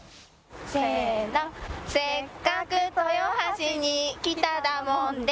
せーの「せっかく豊橋に来ただもんで」